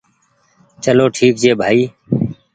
چلو ٺيڪ ڇي ڀآئي